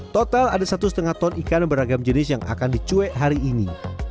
total ada satu lima ton ikan beragam jenis yang akan dicuek hari ini